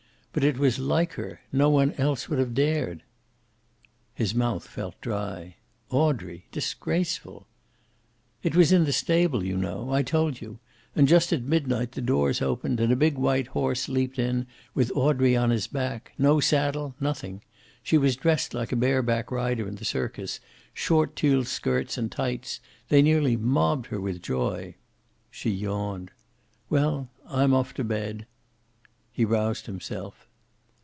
But it was like her no one else would have dared." His mouth felt dry. Audrey disgraceful! "It was in the stable, you know, I told you. And just at midnight the doors opened and a big white horse leaped in with Audrey on his back. No saddle nothing. She was dressed like a bare back rider in the circus, short tulle skirts and tights. They nearly mobbed her with joy." She yawned. "Well, I'm off to bed." He roused himself.